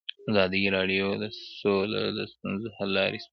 ازادي راډیو د سوله د ستونزو حل لارې سپارښتنې کړي.